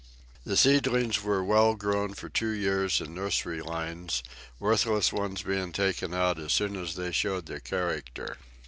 The seedlings were well grown for two years in nursery lines, worthless ones being taken out as soon as they showed their character.